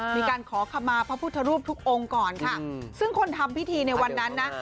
มีการขอขมาพระพุทธรูปทุกองค์ก่อนค่ะซึ่งคนทำพิธีในวันนั้นนะ